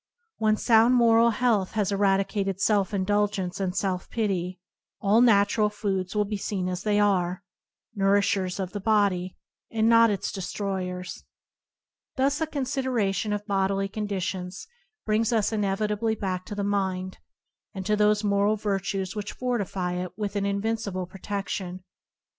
When sound moral health has eradicated self indulgence and self pity, all natural foods will be seen as they are — nourishers of the body, and not its de stroyers. Thus a consideration of bodily conditions brings us inevitably back to the mind, and to those moral virtues which fortify it with an invincible protection.